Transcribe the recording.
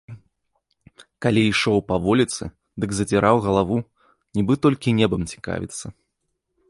Калі ішоў па вуліцы, дык задзіраў галаву, нібы толькі небам цікавіцца.